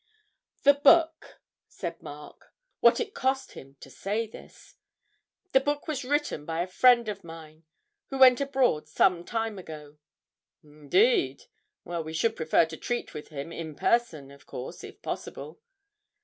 'The book,' said Mark what it cost him to say this, 'the book was written by a friend of mine, who went abroad some time ago.' 'Indeed? Well, we should prefer to treat with him in person, of course, if possible.'